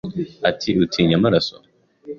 ati: “utinya amaraso?”